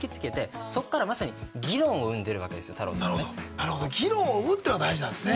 なるほど議論を生むってのが大事なんですね。